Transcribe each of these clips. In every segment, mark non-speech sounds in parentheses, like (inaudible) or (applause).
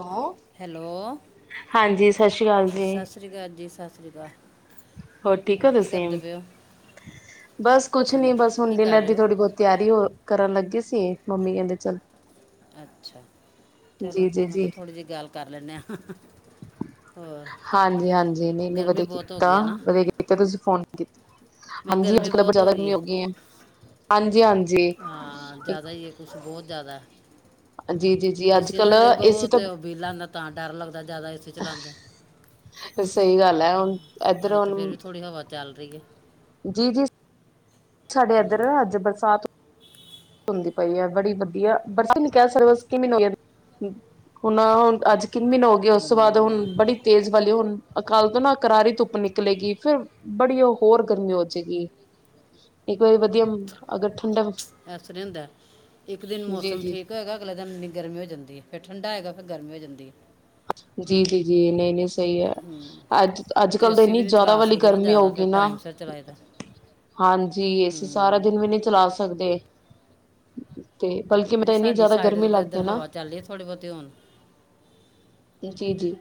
ਔ ਹੈਲੋ ਹਾਂਜੀ ਸਤਿ ਸ੍ਰੀ ਅਕਾਲ ਜੀ। ਸਤਿ ਸ਼੍ਰੀ ਅਕਾਲ (inaudible) ਹੋਰ ਠੀਕ ਹੋ ਕੀ ਤੁਸੀ। ਕਰਦੇ ਪਏ ਹੋ ਬਸ ਕੁਛ ਨੀ ਹਾਂਜੀ ਬਸ ਹੁਣ ਕੀ ਕਰ ਡਿਨਰ ਰਹੇ ਦੀ ਹੋ ਥੋੜੀ ਬਹੁਤ ਤਿਆਰੀ ਹੋ ਕਰਨ ਲੱਗੀ ਸੀ। ਤੇ ਮੰਮੀ ਕਹਿੰਦੇ ਚੱਲ। ਅੱਛਾ। ਚਲੋ ਜੀ ਜੀ ਮੈਂ ਕਿਹਾ ਜੀ ਥੋੜ੍ਹੀ ਜਿਹੀ ਗੱਲ ਕਰ ਲੈਂਦੇ ਹਾਂ ਹੋਰ ਹਾਂਜੀ, ਹਾਂਜੀ, ਨਈਂ ਨਈਂ ਗਰਮੀ ਵਧੀਆ ਬਹੁਤ ਹੋ ਕੀਤਾ। ਗਈ ਹੈ ਨਾ ਵਧੀਆ ਕੀਤਾ, ਤੁਸੀਂ ਫੋਨ ਕੀਤਾ, ਮੈਂ ਹਾਂਜੀ ਅੱਜ ਗਰਮੀ ਕਲ ਪਰ ਬਹੁਤ ਜ਼ਿਆਦਾ ਗਰਮੀ ਹੈ ਹੋ ਗਈ ਐ। ਹਾਂਜੀ ਹਾਂਜੀ। ਹਾਂ, ਜ਼ਿਆਦਾ ਹੀ ਹੈ ਕੁਛ ਬਹੁਤ ਜ਼ਿਆਦਾ। ਹੈ ਜੀ ਜੀ ਜੀ ਅੱਜ ਏਸੀ ਕੱਲ ਥੱਲੇ ਏਸੀ ਬਵੋ ਤਾਂ ਤੇ ਉਹ ਬੀ ਲਾਂਂਦਾ ਤਾਂ ਡਰ ਲੱਗਦਾ ਜ਼ਿਆਦਾ ਏਸੀ ਚਲਾਉਂਦੇ ਸਹੀ ਗੱਲ ਹੈ ਹੁਣ ਇੱਧਰ ਅੱਜ ਤੇ ਫੇਰ ਹੁਣ ਵੀ ਥੋੜ੍ਹੀ ਹਵਾ ਚੱਲ ਰਹੀ ਐ। ਜੀ ਜੀ ਸਾਡੇ ਇੱਧਰ ਅੱਜ ਬਰਸਾਤ ਹੁੰਦੀ ਪਈ ਐ ਬੜੀ ਵਧੀਆ ਬਰਸਾ ਨਈਂ ਕਿਹ ਸਕਦੇ ਸ ਨ ਹੁਣ ਹੁਣ ਅੱਜ ਕਿਨ ਮੀਨ ਹੋ ਗਈ ਉਸ ਤੋਂ ਬਾਅਦ ਹੁਣ ਹੂੰ ਬੜੀ ਤੇਜ਼ ਵਾਲੀ ਹੁਣ ਕਾਲ ਤੋਂ ਨਾ ਕਰਾਰੀ ਧੁੱਪ ਨਿਕਲੇਗੀ, ਫੇਰ ਬੜੀ ਉਹ ਹੋਰ ਗਰਮੀ ਹੋ ਜਏਗੀ। ਇੱਕ ਈ ਵਧੀਮ ਅਗਰ ਠੰਡਮ ਅਸਰ ਨਹੀਂ ਹੁੰਦਾ ਇੱਕ ਦਿਨ ਮੌਸਮ ਜੀ ਠੀਕ ਹੋਏਗਾ ਅਗਲੇ ਦਿਨ ਇੰਨੀ ਗਰਮੀ ਹੋ ਜਾਂਦੀ ਹੈ ਫੇਰ ਠੰਡਾ ਹੈਏਗਾ ਫੇਰ ਗਰਮੀ ਹੋ ਜਾਂਦੀ ਹੈ ਜੀ ਜੀ ਜੀ ਨਹੀ ਨਹੀ ਸਹੀ ਹੈ ਅੱਜ ਅੱਜ ਕੱਲ ਤਾਂ ਏਸੀ ਵੀ ਇੰਨੀ ਨਹੀਂ ਜ਼ਿਆਦਾ ਚਲਾ ਵਾਲੀ ਸਕਦੇ ਨਾ ਗਰਮੀ ਹੋ ਜ਼ਿਆਦਾ ਫਿਰ ਗਗੀ ਨਾ ਟਾਈਮ ਸਿਰ ਚਲਾਏ ਦਾ ਹਾਂਜੀ ਏਸੀ ਸਾਰਾ ਹੂੰ ਦਿਨ ਵੀ ਨਹੀਂ ਚਲਾ ਸਕਦੇ ਤੇ ਬਲਕਿ ਮੈਂ ਨਹੀਂ ਤਾਂ ਇੰਨੀ ਸਾਡੀ ਜ਼ਿਆਦਾ ਸਾਈਡ ਗਰਮੀ ਤੇ ਤਾਂ ਲੱਗ ਏਧਰ ਗਈ ਨਾ ਹਵਾ ਚੱਲ ਰ ਹੈ ਥੋੜੇ ਬਹੁਤੇ ਹੁਣ ਜੀ ਜੀ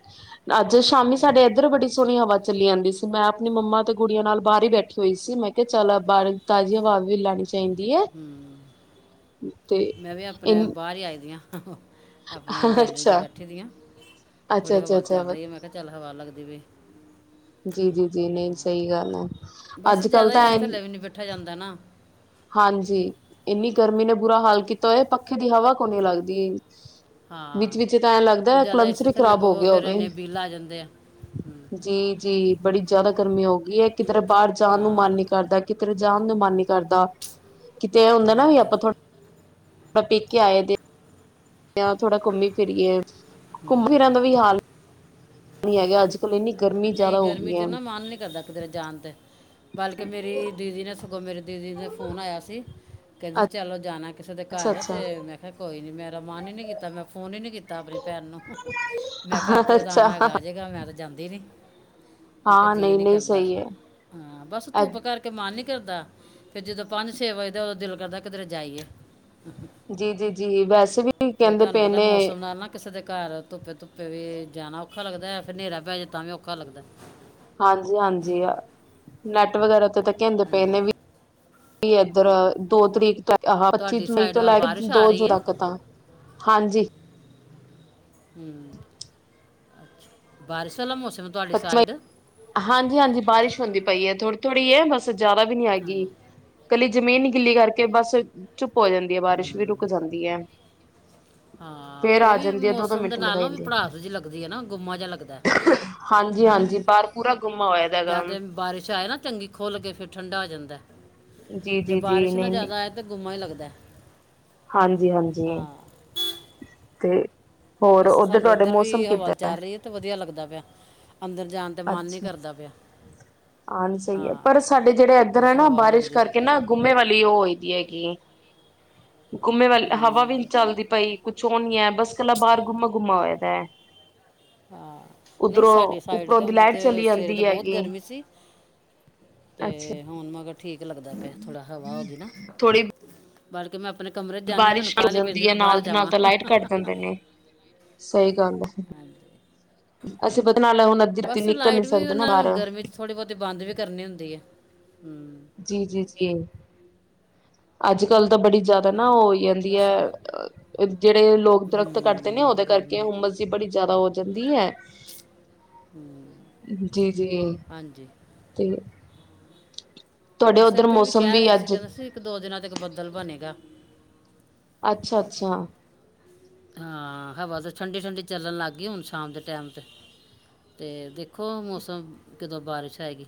ਅੱਜ ਸ਼ਾਮੀ ਹੋਰ ਸਾਡੇ ਇੱਧਰ ਬੜੀ ਸੋਹਣੀ ਹਵਾ ਚੱਲੀ ਜਾਂਦੀ ਸੀ ਮੈਂ ਆਪਣੀ ਮੰਮਾ ਤੇ ਗੁੜੀਆਂ ਨਾਲ ਬਾਹਰ ਹੀ ਬੈਠੀ ਹੋਈ ਸੀ ਮੈਂ ਕਿਹਾ ਚੱਲ ਬਾਹਰ ਤਾਜ਼ੀ ਹਵਾ ਵੀ ਲੈਣੀ ਚਾਹੀਦੀ ਹੈ ਹੂ ਤੇ ਮੈਂ ਵੀ ਆਪਣੇ ਇਨ ਬਾਹਰ ਹੀ ਆਈ ਦੀ ਹ ਹਾਂ ਆਪਣੇ ਗੈਲਰੀ ਚ ਅੱਛਾ ਬੈਠੀ ਦੀਆਂ ਅੱਛਾ ਥੋੜ੍ਹੀ ਅੱਛਾ ਹਵਾ ਚੱਲ ਅੱਛਾ ਰਹੀ ਹੈ, ਮੈਂ ਕਿਹਾ ਚੱਲ ਹਵਾ ਲਗ ਕਦੀ ਵੀ ਜੀ ਜੀ ਜੀ ਨਹੀਂ ਸਹੀ ਗੱਲ ਹੈ ਬਸ ਅੱਜ ਕੱਲ ਜਿਆਦਾ ਤਾਂ ਇਥੇ ਐ ਥੱਲੇ ਵੀ ਨਹੀਂ ਬੈਠਾ ਜਾਂਦਾ ਨਾ ਹਾਂਜੀ ਇੰਨੀ ਗਰਮੀ ਨੇ ਬੁਰਾ ਹਾਲ ਕੀਤਾ ਹੋਆ ਪੱਖੇ ਦੀ ਹਵਾ ਕੋਨੀ ਲੱਗਦੀ ਵਿੱਚ ਹਾਂ ਵਿਚ ਤਾਂ ਐਂ ਕਿ ਲੱਗਦਾ ਜ਼ਿਆਦਾ ਕਲਮਸ ਏਸੀ ਹੀ ਥੱਲੇ ਖ਼ਰਾਬ ਹੋ ਪਵੋ ਗਿਆ ਫਿਰ ਹੋਵੇ ਇੰਨੇ ਬਿੱਲ ਆ ਜਾਂਦੇ ਆ ਹੂੰ ਜੀ ਜੀ ਬੜੀ ਜਿਆਦਾ ਗਰਮੀ ਹੋ ਗਈ ਯੇ ਏਕ ਕਿਧਰ ਬਾਹਰ ਜਾਣ ਨੂੰ ਹਾਂ ਮਨ ਨੀ ਕਰਦਾ ਕਿ ਕਿੱਧਰੇ ਜਾਣ ਨੂੰ ਮਨ ਨਹੀਂ ਕਰਦਾ ਕਿਤੇ ਹੁੰਦਾ ਨਾ ਵੀ ਹਾਂਜੀ ਆਪਾਂ ਥੋੜਾ ਆਪਾਂ ਪੇਕੇ ਆਏ ਦੇ ਥੋੜਾ ਘੁੰਮੀ ਫਿਰਰੀਏ ਘੁੰਮ ਹੂੰ ਫਿਰਾਂ ਦਾ ਵੀ ਹਾਲ ਨਹੀ ਹੈਗਾ ਅੱਜ ਕੱਲ ਇੰਨੀ ਗਰਮੀ ਨਹੀਂ ਜ਼ਿਆਦਾ ਹੋ ਗਰਮੀ ਗਈ ਚ ਹੈ ਨਾ ਮਨ ਨਹੀਂ ਕਰਦਾ ਕਿਧਰੇ ਜਾਣ ਤੇ ਬਲਕਿ ਮੇਰੀ ਦੀਦੀ ਨੇ ਸਗੋਂ ਮੇਰੇ ਦੀਦੀ ਦਾ ਫੋਨ ਆਇਆ ਸੀ ਕਹਿੰਦੇ ਚਲੋ ਜਾਣਾ ਕਿਸੇ ਦੇ ਅੱਛਾ ਘਰ ਤੇ ਅੱਛਾ ਮੈਂ ਕਿਹਾ ਕੋਈ ਨੀ ਮੈਂ ਮਰਾ ਮਨ ਹੀ ਨੀ ਕੀਤਾ ਮੈਂ ਫੋਨ ਹੀ ਨੀ ਕੀਤਾ ਤਾ ਆਪਣੀ ਭੈਣ ਨੂੰ ਮੈਂ ਕਿਹਾ ਆਪੇ ਤਾਂ ਅੱਛਾ ਆਉਣਾ ਹੈਗਾ ਜੇਗਾ ਮੈਂ ਤਾਂ ਜਾਂਦੀ ਨੀ ਮੈਂ ਕਿਹਾ ਹਾਂ ਜੀਅ ਨਹੀਂ ਨੀ ਨਹੀਂ ਕਰਦਾ ਸਹੀ ਹੈ ਹਾਂ ਬਸ ਧੁੱਪ ਐ- ਕਰਕੇ ਮਨ ਨੀ ਤੇ ਹੋਂਦਾ, ਫੇਰ ਜਦੋਂ ਪੰਜ ਛੇ ਵਜਦਾ, ਉਦੋਂ ਦਿਲ ਕਰਦਾ ਕਿਧਰੇ ਜਾਈਏ। ਜੀ, ਜੀ, ਜੀ, ਵੈਸੇ ਵੀ ਫਿਰ ਕਹਿੰਦੇ ਤੁਹਾਨੂੰ ਪਏ ਪਤਾ ਨੇ ਮੌਸਮ ਨਾਲ ਨਾ ਕਿਸੇ ਦੇ ਘਰ ਧੁੱਪੇ ਧੁੱਪੇ ਵੀ ਜਾਣਾ ਔਖਾ ਲੱਗਦੈ, ਫਿਰ ਹਨੇਰਾ ਪੈ ਜੇ ਤਾਂ ਵੀ ਔਖਾ ਲੱਗਦੈ। ਹਾਂਜੀ ਹਾਂਜੀ, ਆ ਨੈਟ ਵਗੈਰਾ ਤੇ ਤਾਂ ਕਹਿੰਦੇ ਪਏ ਹਾਂਜੀ ਨੇ ਵੀ ਵੀ ਇੱਧਰ ਦੋ ਤਰੀਕ ਤ ਆਹਾ, ਪੱਚੀ ਤੁਹਾਡੀ ਮਈ ਸਾਈਡ ਤੋਂ ਵੱਲ ਲੈ ਕੇ ਬਾਰਿਸ਼ ਆ ਦੋ ਜੂ ਰਹੀ ਹੈ ਤੱਕ ਤਾਂ, ਹਾਂਜੀ। ਹਮਮ, ਬਾਰਸ਼ ਵਾਲਾ ਮੌਸ (unintelligible) ਹਾਂਜੀ ਹਾਂਜੀ, ਬਾਰਿਸ਼ ਹੁੰਦੀ ਪਈ ਐ। ਥੋੜੀ ਥੋੜੀ ਐ ਬਸ ਤੇ ਜ਼ਿਆਦਾ ਵੀ ਨੀ ਹੈਗੀ। ਹਾਂਜੀ ਕੱਲੀ ਜ਼ਮੀਨ ਗਿੱਲੀ ਕਰਕੇ ਬਸ ਚੁ ਹੋ ਜਾਂਦੀ ਐ, ਬਾਰਿਸ਼ ਵੀ ਰੁਕ ਹੂੰ ਜਾਂਦੀ ਐ। ਹਾਂ, ਉਹ ਵੀ ਦੋ ਦੋ ਮੌਸਮ ਦੇ ਮਿੰਟ ਨਾਲ ਨਾ ਵੀ ਲਗਾਈਦੇ ਭੜਾਸ ਜਿਹੀ ਲੱਗਦੀ ਐ ਨਾ, ਗੁੰਮਾ ਜਿਹਾ ਲੱਗਦੈ। ਹਾਂਜੀ ਹਾਂ। ਹਾਂਜੀ ਬਾਹਰ ਪੂਰਾ ਗੁੰਮਾ ਹੋਇਆ ਦਾ ਜਾਂ ਹੈਗਾ। ਤੇ ਬਾਰਿਸ਼ ਆਏ ਨਾ ਚੰਗੀ ਖੋਲ ਕੇ ਫਿਰ ਠੰਡਾ ਹੋ ਜਾਂ ਜੀ ਜੇ ਜੀ ਜੀ ਬਾਰਿਸ਼ ਨਾ ਨਹੀਂ ਨਹੀਂ ਜਿਆਦਾ ਆਰ ਤੇ ਗੁੰਮਾ ਰ ਲੱਗ ਦਾ। ਹਾਂਜੀ ਹਾਂਜੀ। ਤੇ ਹੋਰ ਬਸ ਉੱਧਰ ਸਾਡੇ ਤੁਹਾਡੇ ਇੱਧਰ ਵੀ ਮੌਸਮ ਹਵਾ ਕਿੱਦਾਂ ਹੈ ਚੱਲ ਰਹੀ ਐ ਤੇ ਵਧੀਆ ਲੱਗਦਾ ਪਿਆ। ਅੰਦਰ ਜਾਣ ਤੇ ਮਨ ਨਹੀਂ ਅੱਛਾ। ਕਰਦਾ ਪਿਆ ਹਾਂ, ਸਹੀ ਐ, ਹਾਂ ਪਰ ਸਾਡੇ ਜਿਹੜੇ ਇੱਧਰ ਹੈ ਬਸ ਨਾ ਹਵਾ ਬਾਰਿਸ਼ ਲੱਗਦੀ ਕਰਕੇ ਨਾ ਗੁੰਮੇ ਵਾਲੀ ਉਹ ਹੋਈ ਦੀ ਹੈਗੀ ਗੁੰਮੇ ਵਾਲੇ, ਹਵਾ ਵੀ ਨੀ ਹੂੰ ਚੱਲਦੀ ਪਈ। ਕੁਛ ਓ ਨੀ ਐ, ਬਸ ਇਕੱਲਾ ਬਾਹਰ ਗੁੰਮਾ ਗੁੰਮਾ ਹੋਰਦਾ ਐ। ਹਾਂ, ਨਹੀਂ ਸਾਡੀ ਸਾਈਡ ਉੱਪਰੋਂ ਤੇ ਦੀ ਉਂਜ ਲਾਈਟ ਤੇ ਚਲੀ ਸਵੇਰੇ ਤੇ ਜਾਂਦੀ ਬਹੁਤ ਹੈਗੀ ਗਰਮੀ ਸੀ ਅੱਛਾ ਤੇ ਹੁਣ ਮਗਰ ਠੀਕ ਲੱਗਦਾ ਪਿਆ, ਥੋੜ੍ਹਾ ਹਵਾ ਹੋ ਗਈ ਨਾ। ਥੋੜੀ ਬਲ ਕਿ ਮੈਂ ਆਪਣੇ ਕਮਰੇ 'ਚ ਜਾਂਦੀ ਹਾਂ ਮੈਨੂੰ ਬਾਰਿਸ਼ ਹੋ ਕਾਹਲੀ ਪੈਂਦੀ ਜਾਂਦੀ ਐ, ਮੈਂ ਬਾਹਰ ਨਾਲ ਦੀ ਨਾਲ ਜਾਵਾਂ ਤਾਂ ਲਾਈਟ ਕੱਟ ਜਾਂਦੇ ਨੇ। ਸਹੀ ਗੱਲ ਐ। ਹਾਂਜੀ ਅਸੀਂ ਪ ਬਸ ਲਾਈਟ ਵੀ ਉਹਨਾਂ ਨੇ ਹੁਣ ਗਰਮੀ 'ਚ ਥੋੜੀ ਬਹੁਤੀ ਬੰਦ ਵੀ ਕਰਨੀ ਹੁੰਦੀ ਐ। ਹਮਮ। ਜੀ ਜੀ ਜੀ, ਅੱਜ ਕੱਲ ਤਾਂ ਬੜੀ ਜ਼ਿਆਦਾ ਨਾ ਉਹ ਇੱ ਜਾਂਦੀ ਬਸ ਹੈ, ਜਿਹੜੇ ਲੋਕ ਦਰਖਤ ਕੱਟਦੇ ਨੇ ਹੂੰ ਉਹਦੇ ਕਰਕੇ ਗਰਮੀ ਹੁੰਮਸ ਜੀ ਬੜੀ ਜ਼ਿਆਦਾ ਹੋ ਜਾਂਦੀ ਹੈ, ਜੀ ਜੀ ਹਾਂਜੀ ਤੇ ਤੁਹਾਡੇ ਬਸ ਉੱਧਰ ਇੱਥਰ ਵੀ ਮੌਸਮ ਕਹਿ ਰਹੇ ਸੀ ਅੱਜ ਕਹਿੰਦੇ ਸੀ ਇੱਕ ਦੋ-ਦਿਨਾਂ ਤੱਕ ਬੱਦਲ ਬਣੇਗਾ। ਅੱਛਾ-ਅੱਛਾ ਹਾਂ ਹਵਾ ਤਾਂ ਠੰਡੀ-ਠੰਡੀ ਚੱਲਣ ਲੱਗ ਗਈ ਹੁਣ ਸ਼ਾਮ ਦੇ ਟਾਈਮ ਤੇ, ਤੇ ਦੇਖੋ ਮੌਸਮ ਕਦੋਂ ਬਾਰਿਸ਼ ਆਏਗੀ।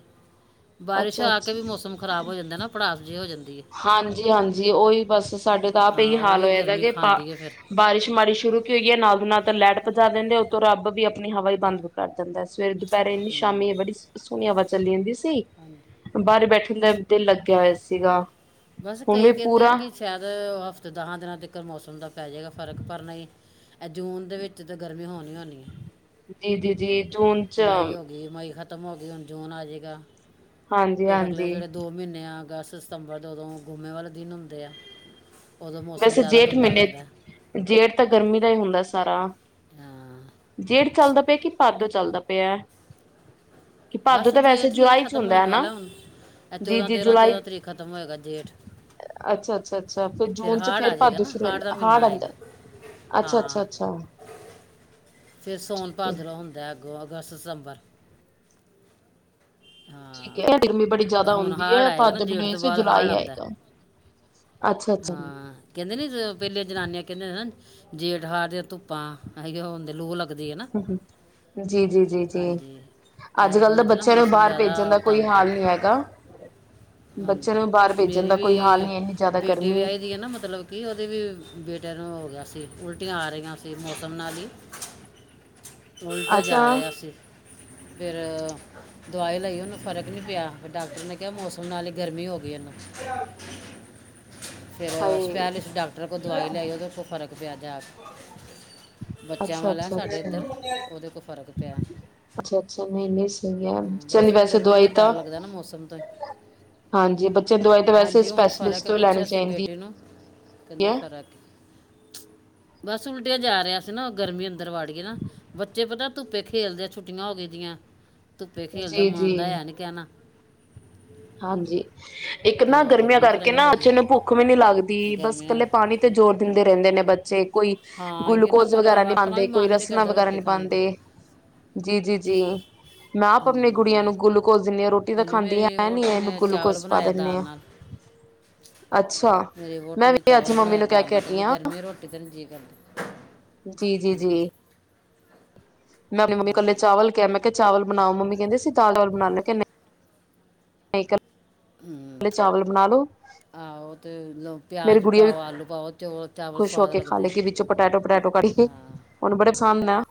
ਬਾਰਿਸ਼ ਅੱਛਾ ਆ ਕੇ ਵੀ ਅੱਛਾ ਮੌਸਮ ਖ਼ਰਾਬ ਹੋ ਜਾਂਦਾ ਨਾ ਭੜਾਸ ਜੀ ਹੋ ਜਾਂਦੀ। ਹੈ ਹਾਂਜੀ-ਹਾਂਜੀ ਉਹੀ ਬਸ ਸਾਡੇ ਤਾਂ ਆਪ ਹਾਂ ਇਹੀ ਉਹ ਹਾਲ ਵੀ ਹੋਇਆ ਗਾ ਗਰਮੀ ਕੇ ਪਾ ਖਾਂਦੀ ਹੈ ਫਿਰ ਬਾਰਿਸ਼ ਮਾੜੀ ਸ਼ੁਰੂ ਕਿਉਂਕਿ ਇਹ ਨਾਲ ਦੀ ਨਾਲ ਤਾਂ ਲਾਈਟ ਭਜਾ ਦਿੰਦੇ ਆ ਉਤੋਂ ਰੱਬ ਵੀ ਆਪਣੀ ਹਵਾ ਈ ਬੰਦ ਕਰ ਦਿੰਦਾ। ਸਵੇਰੇ-ਦੁਪਹਿਰੇ ਇੰਨੀ, ਸ਼ਾਮੀ ਬੜੀ ਸੋ ਸੋਹਣੀ ਹਵਾ ਚੱਲੀ ਜਾਂਦੀ ਸੀ। (unintelligible) ਬਾਹਰ ਬੈਠੇ (unintelligible) ਦਿਲ ਲੱਗਿਆ ਹੋਇਆ ਸੀਗਾ। ਬਸ ਹੁਣ ਕਈ ਵੀ ਕਹਿੰਦੇ ਆ ਪੂਰਾ ਕਿ ਸ਼ਾਇਦ ਹਫ਼ਤੇ-ਦਹਾਂ ਦਿਨਾਂ ਤੱਕ ਮੌਸਮ ਦਾ ਪੈ ਜਾਏਗਾ ਫਰਕ ਪਰ ਨਹੀਂ ਆਹ ਜੂਨ ਦੇ ਵਿੱਚ ਤਾਂ ਗਰਮੀ ਹੋਣੀ ਓ ਹੋਣੀ ਹੈ। ਜੀ-ਜੀ, ਜੀ ਜੂਨ ਚ ਖ਼ਤਮ ਹੋ ਗਈ ਹੁਣ ਜੂਨ ਆ ਜੇਗਾ। ਫੇਰ ਅਗਲੇ ਹਾਂਜੀ-ਹਾਂਜੀ ਜਿਹੜੇ ਦੋ ਮਹੀਨੇ ਆ ਦਸ ਸਤੰਬਰ ਜਦੋਂ ਗੁੰਮੇ ਵਾਲੇ ਦਿਨ ਹੁੰਦੇ ਆ। ਉਦੋਂ ਮੌਸਮ ਵੈਸੇ ਜ਼ਿਆਦਾ ਜੇਠ ਗੰਦਾ ਮਹੀਨੇ, ਲੱਗਦਾ ਹੈ। ਜੇਠ ਤਾਂ ਗਰਮੀ ਦਾ ਹੀ ਹੁੰਦਾ ਸਾਰਾ। ਹਾਂ ਜੇਠ ਚੱਲਦਾ ਪਿਆ ਕਿ ਭਾਦੋਂ ਚੱਲਦਾ ਪਿਐ। ਕੀ ਭਾਦੂ ਬਸ ਤਾਂ ਵੈਸੇ ਜੇਠ ਹੀ ਹੈ ਜੁਲਾਈ ਚ ਖਤਮ ਹੁੰਦਾ ਹੋਣ ਹਨਾ। ਵਾਲਾ ਹੁਣ ਇਹ ਜੀ- ਜੀ ਜੁਲਾਈ, ਤਰੀਕ ਖਤਮ ਹੋਏਗਾ ਜੇਠ ਅੱਛਾ ਅੱਛਾ ਅੱਛਾ ਫਿਰ ਜੂਨ ਚ ਹਾੜ ਆ ਫੇਰ ਜਾਏਗਾ ਭਾਦੋ ਨਾ, ਸ਼ੁਰੂ ਹਾੜ ਦਾ ਹੁੰਦਾ ਮਹੀਨਾ ਆਂਦਾ ਆਏਗਾ। ਅੱਛਾ ਹਾਂ, ਅੱਛਾ ਅੱਛਾ ਫਿਰ ਠੀਕ ਹੈ ਸੋਨ-ਪਾਦਰੋਂ ਹੁੰਦਾ ਅੱਗੋਂ ਦਸ ਸਤੰਬਰ ਠੀਕ ਹਾਂ, ਹੈ ਗਰਮੀ ਬੜੀ ਏ ਜ਼ਿਆਦਾ ਹੁਣ ਹੁੰਦੀ ਹਾੜ ਹੈ ਆਏਗਾ ਨਾ ਭਾਦੋ ਜੇਠ ਮੈਨੂੰ ਇਹ ਤੋਂ ਸੀ ਬਾਅਦ ਹਾੜ ਜੁਲਾਈ ਆਦਾ। ਆਏਗਾ ਅੱਛਾ ਅੱਛਾ ਹਾਂ, ਕਹਿੰਦੇ ਨੀ ਜਿਵੇਂ ਪਹਿਲੀਆਂ ਜਨਾਨੀਆਂ ਕਹਿੰਦੀਆਂ ਨੇ ਨਾ ਜੇਠ-ਹਾੜ ਦੀਆਂ ਧੁੱਪਾਂ, ਹੈਗੇ ਹੋ ਹੁੰਦੇ ਲੂੰ ਲੱਗ ਜੀ ਜੀ ਜੀ ਜੀ, ਅੱਜ-ਕੱਲ੍ਹ ਤਾਂ ਬੱਚਿਆਂ ਨੂੰ (unintelligible) ਤੋਂ ਬਾਹਰ ਭੇਜਣ ਜ਼ਿਆਦਾ ਦਾ ਕੋਈ ਤੰਗ ਹਾਲ ਕਰਦਾ। ਨਹੀਂ ਹੈਗਾ ਬੱਚਿਆਂ ਹਾਂਜੀ, ਨੂੰ ਬਾਹਰ ਭੇਜਣ ਮੇਰੀ ਦਾ ਕੋਈ ਹਾਲ ਵੀ ਨਹੀਂ ਇੰਨੀ ਜ਼ਿਆਦਾ ਬੇਟੀ ਗਰਮੀ ਵਿਆਹੀ ਗਈ ਏ ਨਾ ਮਤਲਬ ਕਿ ਉਹਦੇ ਵੀ ਬੇਟੇ ਨੂੰ ਹੋ ਗਿਆ ਸੀ। ਉਲਟੀਆਂ ਆ ਰਹੀ ਆ ਸੀ ਮੌਸਮ ਨਾਲ ਈ। ਉਲਟ ਅੱਛਾ ਜਾ ਰਿਹਾ ਸੀ। ਫੇਰ। ਦਵਾਈ ਲਈ ਔਨੂੰ ਫਰਕ ਨ੍ਹੀਂ ਪਯਾ। ਡਾਕਟਰ ਨੇ ਕਿਆ ਮੌਸਮ ਹੁਣ ਨਾਲੇ ਗਰਮੀ ਹੋਗੀ। ਗਿਐ ਨਾ। ਫਿਰ ਹਾਏ ਸਪੈਸ਼ਲਿਸਟ ਡਾਕਟਰ ਕੋਲ ਦਵਾਈ ਲਿਆਈ ਔਦੇ ਕੋਈ ਫਰਕ ਨਹੀ ਪਿਆ ਜਾ ਕੇ, ਬੱਚਿਆਂ ਅੱਛਾ ਵਾਲਾ ਅੱਛਾ ਸਾਡੇ ਅੱਛਾ ਏਧਰ ਔਦੇ ਕੋਲ ਫ਼ਰਕ ਪਿਐ। ਯਾ ਬੱਚਿਆਂ ਦੀ ਵੈਸੇ ਦਵਾਈ ਤਾਂ, ਮੌਸਮ ਤੋਂ ਹੀ। ਹਾਂਜੀ ਬੱਚਿਆਂ ਦੀ ਦਵਾਈ ਤ ਵੈਸੇ ਹਾਂਜੀ ਹੁਣ ਸਪੈਸ਼ਲਿਸਟ ਤੋਂ ਲੈਣੀ ਚਾਈਦੀ। ਕੈੰਦੇ ਫ਼ਰਕ ਐ। ਬਸ ਉਲਟੀਆਂ ਜਾ ਰਿਆ ਸੀ ਨਾ ਗਰਮੀ ਅੰਦਰ ਵਾੜ ਗੀਏ ਨਾ ਬੱਚੇ ਪਤੈ ਧੁੱਪੇ ਖੇਲਦੇ ਐ ਛੁੱਟੀਆਂ ਹੋ ਗੀ ਦੀਐ। ਧੁੱਪੇ ਖੇਲਦੇ ਜੀ ਮਨਦਾ ਜੀ ਹੈ ਨੀ ਕਹਿਣਾ ਹਾਂਜੀ, ਇੱਕ ਤੇ ਨਾ ਉਹ ਗਰਮੀਆਂ ਗਰਮੀ ਪਤਾ ਕਰਕੇ ਨਹੀਂ ਨਾ ਹੋ ਗਈ ਬੱਚੇ ਨੂੰ ਭੁੱਖ ਵੀ ਨੀ ਲਾਗਦੀ ਬਸ ਗਰਮੀ ਕੱਲੇ ਨਾਲ ਪਾਣੀ ਤੇ ਜ਼ੋਰ ਦਿੰਦੇ ਰੈੰਦੇ ਨੇ ਬੱਚੇ ਕੋਈ ਹਾਂ ਇਹ ਨਾ ਗੁਲੂਕੋਜ ਮਰ- ਵਗੈਰਾ ਨੀ ਆਪਣਾ ਪਾਂਦੇ ਵੀ ਕੋਈ ਮਨ ਨਹੀਂ ਰਸਣਾ ਕਰਦਾ ਵਗੈਰਾ ਰੋਟੀ ਨ੍ਹੀਂ ਖਾਣ ਤੇ ਪਾਂਦੇ, ਜੀ ਜੀ ਜੀ, ਮੈਂ ਆਪ ਅਪਣੀ ਗੁੜੀਆਂ ਹੂੰ ਨੂੰ ਗੁਲੂਕੋਜ ਦਿੰਨੀ ਆਂ, ਰੋਟੀ ਤਾਂ ਉਹਨੇ ਖਾਂਦੀ ਹੈ। ਮੇਰੀ ਹੈਂ ਨੀ ਵੋਟੀ ਐਨੂੰ ਨੇ ਚਾਵਲ ਗੁਲੂਕੋਜ ਪਾ ਬਣਾਇਆ ਦਿਣੇ ਦਾਲ ਆਂ। ਨਾਲ ਅੱਛਾ, ਮੇਰੀ ਮੈਂ ਵੋਟੀ ਨੇ ਵੀ ਅੱਜ ਚਾਵਲ ਮੰਮੀ ਨੂੰ ਕੈ ਕੇ ਹਟੀ ਆ ਗਰ (inaudible) ਜੀ ਜੀ ਜੀ। ਮੈਂ ਆਪਣੀ ਮੰਮੀ ਹਾਂ ਕੱਲੇ ਚਾਵਲ ਕਿਐ ਮੈਂ ਚਾਵਲ ਬਣਾਓ ਮੰਮੀ ਕੈੰਦੇ ਸੀ ਦਾਲ ਦਾਲ ਬਣਾ ਲੈ ਮੈਂ ਕੇ ਨੲ ਸਾਈਕਲ - ਪੈਲੇ ਚਾਵਲ ਬਣਾ ਲੋ। ਦ (inaudible) ਲੋ ਮੇਰੀ ਪਿਆਜ਼ ਗੁੜੀਆਂ ਵੀ ਪਾਓ, ਆਲੂ ਪਾਓ। ਚੌਲ ਚਾਵਲ ਖੁਸ਼ ਹੋ ਸਵਾਦ ਕੇ ਖਾ ਲੱਗਦੇ ਲੇ ਆ ਕੀ ਵਿੱਚੋਂ ਪਟੈਟੋ ਪਟੈਟੋ ਕੱਢ ਏ ਹਾਂ ਔਨੂੰ ਬੜੇ ਸਾਮਨਾ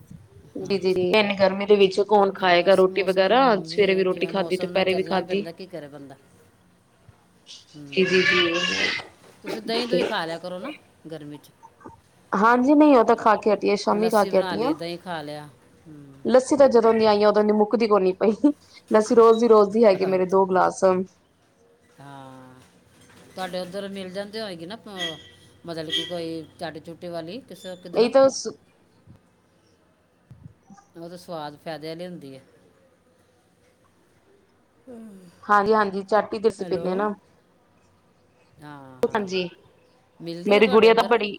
ਜੀ ਜੀ ਜੀ ਅੱਛਾ ਐਨੀ ਗਰਮੀ ਦੇ ਵਿੱਚ ਕੌਣ ਆ ਖਾਏਗਾ ਬਸ ਰੋਟੀ ਵਗੈਰਾ ਮੌਸਮ ਦੀ ਸਵੇਰੇ ਵੀ ਇਹ ਰੋਟੀ ਜਿਵੇਂ ਖਾਧੀ ਮੌਸਮ ਨਾਲ ਦੁਪੈਰੇ ਵੀ ਚੱਲਣਾ ਹੀ ਖਾਧੀ। ਪੈਂਦਾ ਕੀ ਕਰੇ ਬੰਦਾ ਜੀ ਜੀ ਹੂੰ ਤੁਸੀਂ ਦਹੀਂ ਜੀ। ਦੁਹੀਂ ਖਾ ਲਿਆ ਕਰੋ ਨਾ ਗਰਮੀ 'ਚ। ਹਾਂਜੀ, ਨਹੀਂ ਔ ਤਾਂ ਖਾ ਕ ਲੱਸੀ ਬਣਾ ਲੀ ਦਈ ਖਾ ਲਿਆ। ਜਦੋਂਵੀ ਆਈ ਆਂ ਓਦੋਂ ਦੀ ਮੁੱਕਦੀ ਕੋਨੀ ਪਈ। ਲੱਸੀ ਰੋਜ਼ ਦੀ ਰੋਜ਼ਦੀ ਹੈਗੇ ਮੇਰੇ ਅੱਛਾ ਦੋ ਗਲਾਸ ਹਾਂ ਤੁਹਾਡੇ ਉੱਧਰ ਮਿਲ ਜਾਂਦੇ ਹੋਏਗੀ ਨਾ ਮਤਲਬ ਕਿ ਕੋਈ ਝਾੜੂ ਝੂਟੇ ਵਾਲੀ ਕਿਸ ਕਿੱਧਰੋਂ ਤਾਂ ਫਾਇਦੇ ਵਾਲੀ ਹੁੰਦੀ ਹੈ। ਹਾਂਜੀ- ਹਾਂਜੀ, ਚਾਟੀ ਤੇ ਅਸੀਂ ਹੈਲੋ ਪੀਂਦੇ ਹ ਨਾ ਹਾਂ ਹਾਂ ਹਾਂਜੀ ਮਿਲਦੀ ਹੈ ਮੇਰੀ ਤੁਹਾਡੇ ਗੁਡੀਆਂ ਤਾਂ ਉਧਰ ਬੜੀ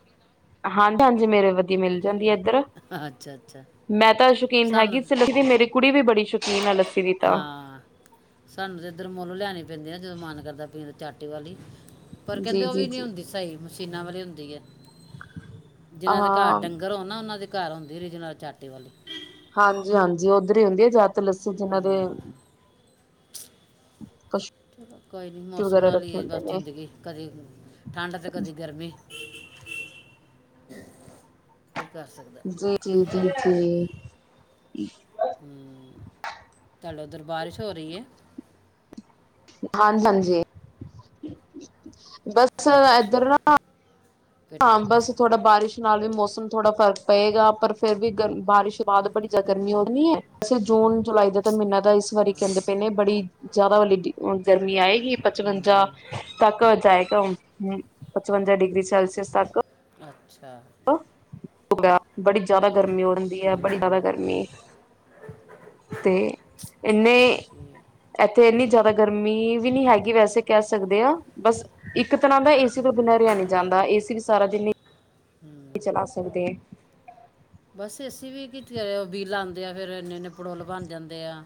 ਹਾਂਜੀ-ਹਾਂਜੀ ਮੇਰੇ ਵਧੀ ਮਿਲ ਜਾਂਦੀ ਹੈ। ਅੱਛਾ ਅੱਛਾ ਮੈਂ ਤਾਂ ਸ਼ੌਕੀਨ ਸਾਨੂੰ ਹੈਗੀ ਸੀ ਲਿਖਦੀ ਮੇਰੀ ਕੁੜੀ ਵੀ ਬੜੀ ਸ਼ੌਕੀਨ ਆ ਲੈ। ਹਾਂ। ਤੁਹਾਨੂੰ ਤਾਂ ਇੱਧਰ ਮੁੱਲ ਲਿਆਣੇ ਪੈਂਦੇ ਆ ਜਦੋਂ ਮਨ ਕਰਦਾ ਪੀਂਦਾ ਚੱਟ ਦੀਵਾਲੀ ਪਰ ਜੀ ਕਹਿੰਦੇ ਉਹ ਜੀ ਵੀ ਨੀ ਜੀ ਹੁੰਦੀ ਸਹੀ। ਸੀਣਾਂ ਵਾਲੀ ਹੁੰਦੀ ਹੈ। ਜਿਨਾਂ ਦੇ ਘਰ ਹਾਂ ਡੰਗਰ ਹੋ ਨਾ ਉਹਨਾਂ ਦੇ ਘਰ ਹੁੰਦੀ ਹੈ ਰਿਜਨ ਚਾਟੇ ਵਾਲੀ ਹਾਂਜੀ- ਹਾਂਜੀ, ਉੱਧਰ ਹੀ ਹੁੰਦੀ ਹੈ ਜਾ ਤ ਲੱਸੀ ਜਿਨਾਂ ਦੇ ਪਸ਼ੂ ਚ ਕੋਈ ਨੀ ਮੌਸਮ ਵਗੈਰਾ ਨਾਲ ਹੀ ਰੱਖੇ ਏ ਹੁੰਦੇ ਬਸ ਨੇ। ਜ਼ਿੰਦਗੀ ਕਦੀ ਠੰਡ ਤੇ ਕਦੀ ਗਰਮੀ। (unintelligible) ਸਕਦਾ ਜੀ ਜੀ ਜੀ ਜੀ। ਈ। ਚੱਲ ਉੱਧਰ ਬਾਰਿਸ਼ ਹੋ ਰਹੀ ਹੈ। ਹਾਂ, ਹਾਂਜੀ। ਬਸ ਇਧਰ ਅੱਛਾ ਨਾ ਫਿਰ ਹਾਂ, ਬਸ ਥੋੜਾ ਬਾਰਿਸ਼ ਨਾਲ ਵੀ ਮੌਸਮ ਮੌਸਮ ਥੋੜਾ ਫਰਕ ਪਏਗਾ ਪਰ ਫਿਰ ਵੀ ਗਰ ਬਾਰਿਸ਼ ਬਾਅਦ ਬੜੀ ਜ਼ਿਆਦਾ ਗਰਮੀ ਹੋਣੀ ਐ ਵੈਸੇ ਜੂਨ ਜੁਲਾਈ ਦਾ ਤਾਂ ਮਹੀਨਾ ਤਾਂ ਇਸ ਵਾਰੀ ਕਹਿੰਦੇ ਪਏ ਨੇ ਬੜੀ ਜ਼ਿਆਦਾ ਵਾਲੀ ਹੁਣ ਗਰਮੀ ਆਏਗੀ ਪਚਵੰਜਾ ਹੂੰ ਤੱਕ ਜਾਏਗਾ ਹੁਣ ਹੂੰ, ਪਚਵੰਜਾ ਡਿਗਰੀ ਸੈਲਸੀ ਕਿਸ ਤੱਕ ਹਾਂ। ਅੱਛਾ। ਹੋ ਗਿਆ। ਬੜੀ ਜ਼ਿਆਦਾ ਗਰਮੀ ਹੋ ਰਹਿੰਦੀ ਹੈ ਹੂੰ ਬੜੀ ਜ਼ਿਆਦਾ ਗਰਮੀ ਤੇ ਇੰਨੇ ਫਿਰ ਕੀ ਹੈ? ਇੱਥੇ ਇੰਨੀ ਜ਼ਿਆਦਾ ਗਰਮੀ ਵੀ ਨਹੀਂ ਹੈਗੀ ਵੈਸੇ ਕਹਿ ਸਕਦੇ ਹਾਂ ਬਸ ਇੱਕ ਇੱਕ ਤਰ੍ਹਾਂ ਦਾ ਏਸੀ ਤੋਂ ਬਿਨਾਂ ਰਿਹਾ ਨਹੀਂ ਜਾਂਦਾ ਏਸੀ ਵੀ ਸਾਰਾ ਜਿੰਨੀ ਈ ਚਲਾ ਸਕਦੇ। ਬਸ ਏਸੀ ਵੀ (unintelligible) ਬੀ ਲਾਂਦੇ ਆ, ਫੇਰ ਇੰਨੇ ਇੰਨੇ ਪੜੋਲ ਬਣ ਜਾਂਦੇ ਆ।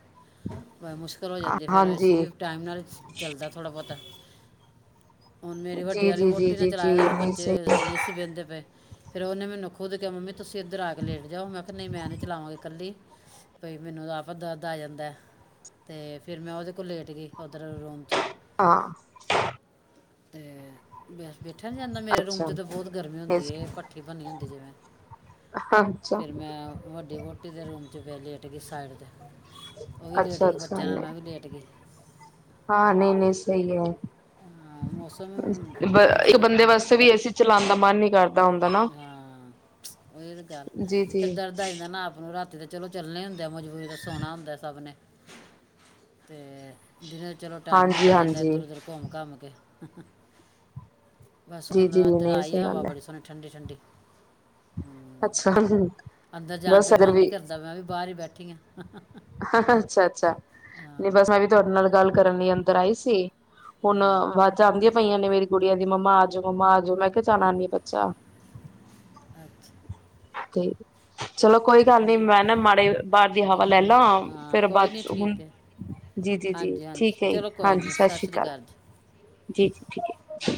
ਮੁਸ਼ਕਿਲ ਹੋ ਜਾਂਦੀ ਫੇਰ, ਇਸ ਹਾਂਜੀ ਵੀ ਟਾਈਮ ਨਾਲ ਚੱਲਦਾ ਥੋੜ੍ਹਾ ਬਹੁਤਾ। ਹੁਣ ਮੇਰੀ ਵੱਡੇ ਜੀ ਵਾਲੀ ਜੀ ਜੀ ਵੋਟੀ ਨੇ ਜੀ ਜੀ ਚਲਾਏ ਦਾ ਸੀ ਨਹੀਂ ਬੱਚੇ ਸਹੀ ਨਹੀਂ ਸੀ ਬਹਿੰਦੇ ਪਏ। ਫੇਰ ਉਹਨੇ ਮੈਨੂੰ ਖੁਦ ਕਿਹਾ, ਮੰਮੀ ਤੁਸੀਂ ਇੱਧਰ ਆ ਕੇ ਲੇਟ ਜਾਓ ਮੈਂ ਕਿਹਾ ਨਹੀਂ ਮੈਂ ਨਹੀਂ ਚਲਾਵਾਂਗੀ ਇਕੱਲੀ ਭਈ ਮੈਨੂੰ ਤਾਂ ਆਪ ਦਰਦ ਆ ਜਾਂਦਾ ਤੇ ਫੇਰ ਮੈਂ ਉਹਦੇ ਕੋਲ ਲੇਟ ਗਈ। ਉਧਰ ਰੂਮ 'ਚ। ਹਾਂ ਤੇ ਫ਼ਿਰ ਬੈਠਾ ਨੀ ਜਾਂਦਾ ਮੇਰੇ ਰੂਮ ਅੱਛਾ 'ਚ ਤਾਂ ਬਹੁਤ ਗਰਮੀ ਹੁੰਦੀ ਐ, ਭੱਠੀ ਬਨੀ ਹੁੰਦੀ ਜਿਵੇਂ। ਅੱਛਾ ਫਿਰ ਮੈਂ ਵੱਡੀ ਵਹੁਟੀ ਦੇ ਰੂਮ 'ਚ ਬੈ ਲੇਟ ਗਈ ਸਾਈਡ (unintelligible) ਉਹ ਵੀ ਲੇਟ ਅੱਛਾ ਗਈ ਅੱਛਾ, ਬੱਚਿਆਂ ਨਾਲ ਨਹੀਂ। ਮੈਂ ਵੀ ਲੇਟ ਗਈ ਹਾਂ, ਨਹੀਂ ਨ ਸਈ ਐ। ਹਾਂ, ਮੌਸਮ ਬ ਇਕ ਬਸ ਬੰਦੇ ਵਾਸਤੇ ਵੀ ਏ ਸੀ ਚਲਾਣ ਦਾ ਮਨ ਨੀ ਕਰ ਹਾਂ ਉਹੀ ਤੇ ਗੱਲ, ਜੀ ਜੀ ਫੇਰ ਦਰਦ ਆ ਜਾਂਦਾ ਨਾ ਆਪ ਨੂੰ ਰਾਤੀ ਤੇ ਚਲੋ ਚੱਲਣੇ ਹੁੰਦੇ ਮਜੁ ਦੂਜ ਦਾ ਸੋਣਾ ਹੁੰਦਾ ਸਭ ਨੇ ਤੇ ਦਿਨੇ ਚਲੋ ਟਾਈਮ ਹਾਂਜੀ ਨਿਕਲ ਜਾਂਦਾ, ਹਾਂਜੀ ਇੱਧਰ-ਉੱਧਰ ਘੁੰਮ ਘਾਮ ਕੇ। ਬਸ ਜੀ ਹੁਣ ਜੀ ਇੱਧਰ ਨਹੀਂ ਆਈ ਸਹੀ ਹਵਾ ਗੱਲ ਹੈ ਬੜੇ ਸੋਹਣੀ ਠੰਡੀ ਠੰਡੀ। ਅੱਛਾ। ਅੰਦਰ ਜਾਣ ਤੇ ਬਸ ਇਧਰ ਮਨ ਨਹੀਂ ਵੀ ਕਰਦਾ ਮੈਂ ਵੀ ਬਾਹਰ ਹੀ ਬੈਠੀ ਆਂ। ਅੱਛਾ ਅੱਛਾ। ਨਹੀਂ ਬਸ ਮੈਂ ਵੀ ਤੁਹਾਡੇ ਨਾਲ ਗੱਲ ਕਰਨ ਲਈ ਇਧਰ ਆਈ ਸੀ ਹੁਣ ਵਾਜਾਂ ਆਉਂਦੀਆਂ ਪਈਆਂ ਨੇ ਮੇਰੀ ਕੁੜੀਆਂ ਦੀ, ਮੰਮਾ ਆਜੋ, ਮੰਮਾ ਆਜੋ। ਮੈਂ ਕਿਹਾ ਚਲ ਆਨੀ ਆ ਬੱਚਾ। ਅੱਛਾ। ਤੇ ਚਲੋ ਕੋਈ ਗੱਲ ਨੀ, ਚਲੋ ਮੈਂ ਨਾ ਮਾੜੇ ਬਾਹਰ ਦੀ ਹਵਾ ਦੇਖ ਲੈ ਲਓ ਲਾਂ, ਹਾਂ ਫਿਰ ਕੋਈ ਬਾਅਦ ਨਹੀਂ 'ਚੋਂ ਹੁਣ, ਠੀਕ ਹੈ ਜੀ ਜੀ ਜੀ, ਹਾਂਜੀ ਹਾਂਜੀ ਠੀਕ ਐ ਜੀ, ਚਲੋ ਕੋਈ ਹਾਂਜੀ। ਨਹੀਂ ਸਤਿ ਸ਼੍ਰੀ ਸ੍ਰੀ ਅਕਾਲ। ਜੀ ਜੀ ਜੀ ਠੀਕ ਹੈ।